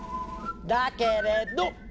だけれど！